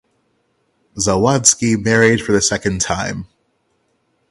Zawadzki married for the second time.